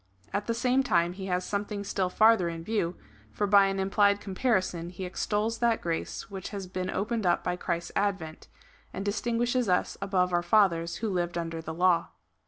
At the same time he has something still farther in view, for by an implied comparison he extols that grace which has been opened up by Christ's advent, and distinguishes us above our fathers, who lived under the law.